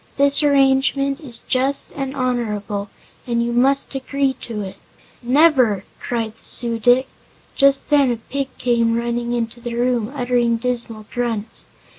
This arrangement is just and honorable, and you must agree to it." "Never!" cried the Su dic. Just then a pig came running into the room, uttering dismal grunts.